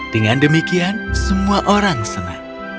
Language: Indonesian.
dengan demikian semua orang senang